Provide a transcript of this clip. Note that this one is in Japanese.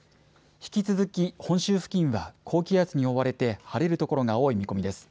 引き続き本州付近は高気圧に覆われて晴れる所が多い見込みです。